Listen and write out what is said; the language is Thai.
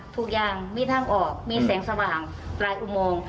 ทุกอย่างมีทางออกมีแสงสว่างปลายอุโมง